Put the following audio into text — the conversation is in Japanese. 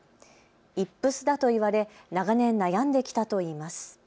イップスだと言われ長年悩んできたといいます。